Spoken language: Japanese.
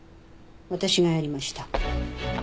私がやりました。